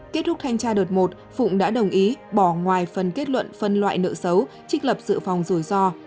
kết thúc thanh tra đợt một phụng đã đồng ý bỏ ngoài phần kết luận phân loại nợ xấu trích lập dự phòng rủi ro